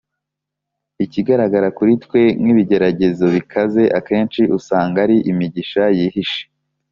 “ikigaragara kuri twe nk'ibigeragezo bikaze akenshi usanga ari imigisha yihishe.”